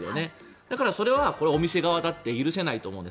だからそれはお店側だって許せないと思うんです。